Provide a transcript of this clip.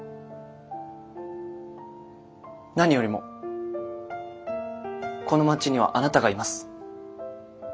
何よりもこの町にはあなたがいます。